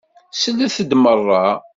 Slet-d meṛṛa!